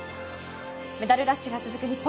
メダルラッシュが続く日本